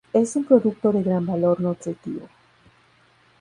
Es un producto de gran valor nutritivo.